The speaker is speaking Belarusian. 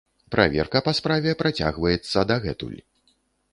Праверка па справе працягваецца дагэтуль.